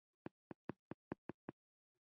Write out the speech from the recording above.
د نړیوالو روغتیايي ادارو او د درملو د سازمانونو